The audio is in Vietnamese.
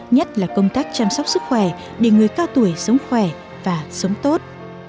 nhất là công tác chăm sóc sức khỏe để người cao tuổi sống khỏe và sống tốt